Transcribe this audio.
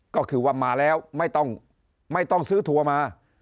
ก็คือว่ามาแล้วไม่ต้องไม่ต้องซื้อถั่วมา